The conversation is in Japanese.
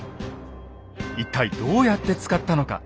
一体どうやって使ったのか。